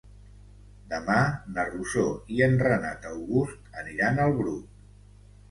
Demà na Rosó i en Renat August aniran al Bruc.